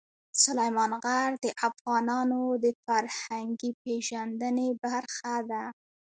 سلیمان غر د افغانانو د فرهنګي پیژندنې برخه ده.